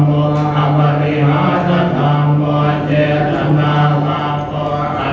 สุดท้ายเท่าไหร่สุดท้ายเท่าไหร่